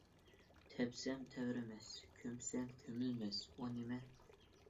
« تەپسەم تەۋرىمەس ، كۆمسەم كۆمۇلمەس» ئۇ نىمە ؟